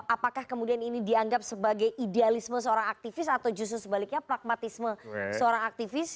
apakah kemudian ini dianggap sebagai idealisme seorang aktivis atau justru sebaliknya pragmatisme seorang aktivis